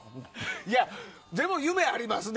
でも夢がありますね